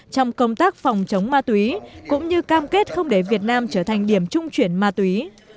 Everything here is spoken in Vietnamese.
trong công tác phòng chống ma túy cũng như cam kết không để việt nam trở thành điểm trung chuyển ma túy